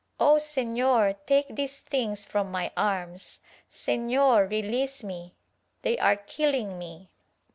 Oh Sefior, take these things from my arms — Sefior release me, they are killing me."